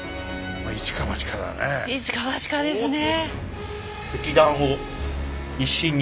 一か八かですね。